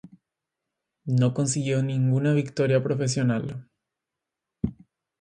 No consiguió ninguna victoria profesional.